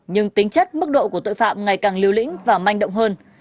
nhưng tính chất mức độ của tội phạm ngày càng liều lĩnh và manh động hơn